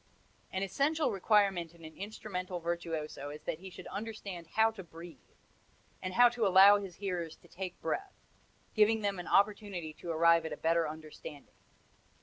An essential requirement in an instrumental virtuoso is that he should understand how to breathe, and how to allow his hearers to take breath giving them opportunity to arrive at a better understanding.